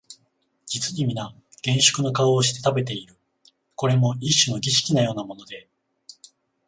実にみな厳粛な顔をして食べている、これも一種の儀式のようなもので、